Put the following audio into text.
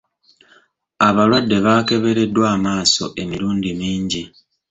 Abalwadde baakebereddwa amaaso emirundi mingi.